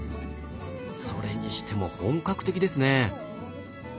それにしても本格的ですね。